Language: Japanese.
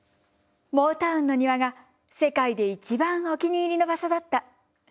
モータウンの庭が世界で一番お気に入りの場所だった。